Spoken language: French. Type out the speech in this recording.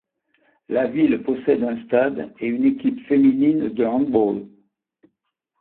La ville possède un stade et une équipe féminine de handball.